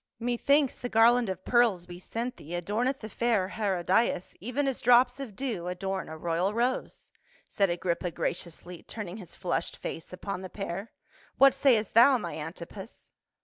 " Methinks the garland of pearls we sent thee adorneth the fair Herodias even as drops of dew adorn a royal rose," said Agrippa graciously, turning his flushed face upon the pair, " What sayest thou, my Antipas?"